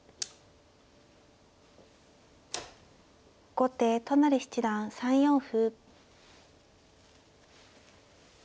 後手都成七段３四歩。